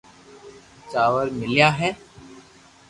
چاور ميليا ھي